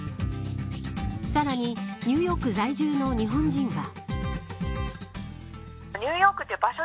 さらにニューヨーク在住の日本人は。